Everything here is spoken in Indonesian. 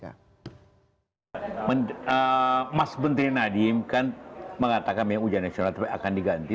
nah mas menteri nadiem kan mengatakan yang ujian nasional akan diganti